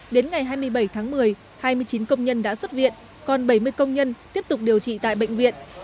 đến ngày hai mươi bảy tháng một mươi hai mươi chín công nhân đã xuất viện còn bảy mươi công nhân tiếp tục điều trị tại bệnh viện